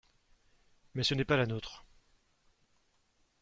Mais ce n’est pas la nôtre.